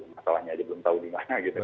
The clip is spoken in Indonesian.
masalahnya aja belum tahu dimana gitu kan